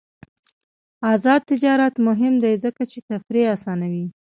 آزاد تجارت مهم دی ځکه چې تفریح اسانوي.